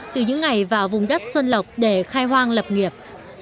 từ những ngày vào vùng đất xuân lộc để khai hoang lập nghiệp